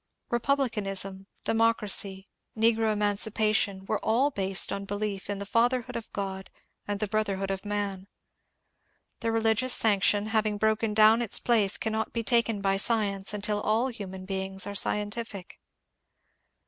Republicanism, democracy, negro emancipation, were all based on belief in the fatherhood of God and brotherhood of man. The reli gious sanction having broken down its place cannot be taken by science until all human beings are scientific.